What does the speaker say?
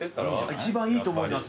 一番いいと思います。